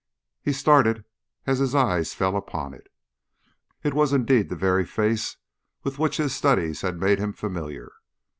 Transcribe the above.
He started as his eyes fell upon it. It was indeed the very face with which his studies had made him familiar.